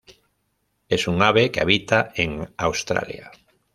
Es un ave que habita en Australia.